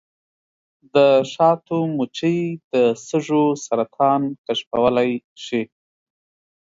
د شاتو مچۍ د سږو سرطان کشفولی شي.